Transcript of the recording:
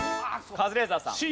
カズレーザーさん。